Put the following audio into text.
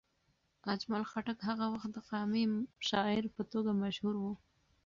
اجمل خټک هغه وخت د قامي شاعر په توګه مشهور و.